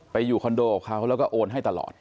อยู่คอนโดของเขาแล้วก็โอนให้ตลอด